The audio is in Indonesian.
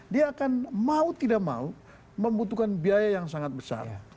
dia akan mau tidak mau membutuhkan biaya yang sangat besar